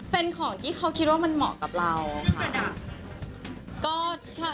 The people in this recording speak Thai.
เป็นของที่เขาคิดว่ามันเหมาะกับเราค่ะ